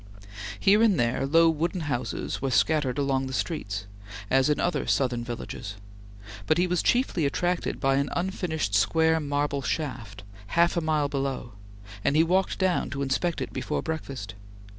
Here and there low wooden houses were scattered along the streets, as in other Southern villages, but he was chiefly attracted by an unfinished square marble shaft, half a mile below, and he walked down to inspect it before breakfast.